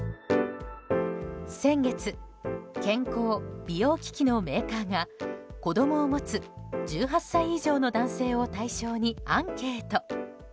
先月健康・美容機器のメーカーが子供を持つ１８歳以上の男性を対象にアンケート。